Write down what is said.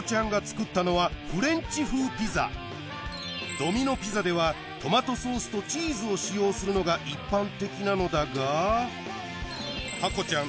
ドミノ・ピザではトマトソースとチーズを使用するのが一般的なのだがハコちゃん